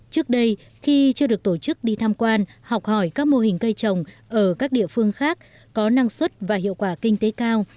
trước đây khi chưa được tổ chức đi tham quan học hỏi các mô hình cây trồng ở các địa phương khác có năng suất và hiệu quả kinh tế cao